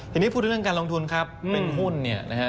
ทีนี้พูดเรื่องการลงทุนครับเป็นหุ้นเนี่ยนะฮะ